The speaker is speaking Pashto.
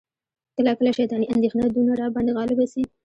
کله کله شیطاني اندیښنه دونه را باندي غالبه سي،